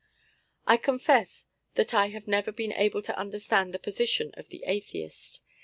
I confess that I have never been able to understand the position of the atheist.